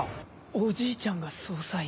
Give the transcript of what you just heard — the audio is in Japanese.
おじいちゃんが捜査員？